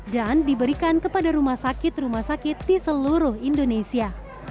dan diberikan kepada rumah sakit rumah sakit di seluruh indonesia